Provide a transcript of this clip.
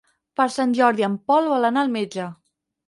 Per Sant Jordi en Pol vol anar al metge.